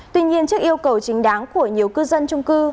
tuy nhiên trước yêu cầu chính đáng của nhiều cư dân trung cư